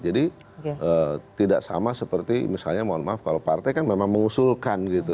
jadi tidak sama seperti misalnya mohon maaf kalau partai kan memang mengusulkan gitu